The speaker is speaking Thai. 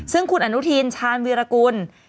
ซึ่งคุณอนุทินชาญวีรกุล